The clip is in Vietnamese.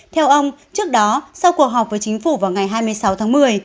theo ông trước đó sau cuộc họp với chính phủ vào ngày hai mươi sáu tháng một mươi